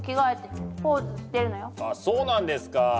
あそうなんですか。